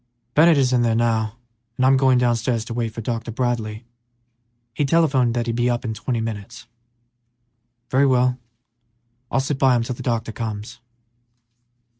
"Bennett is in there now, and I'm going downstairs to wait for Dr. Bradley; he telephoned that he'd be up in twenty minutes." "Very well; I'll sit by him till the doctor comes."